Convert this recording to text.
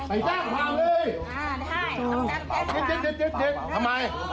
ไปจ้างฟังเลย